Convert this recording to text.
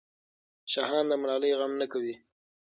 شاهان د ملالۍ غم نه کوي.